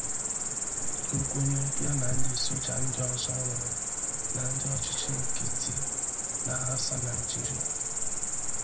Nkwenye ya na ndị soja ndị ọzọ nwere na ndị ọchịchị nkịtị na-aghasa Naịjirịa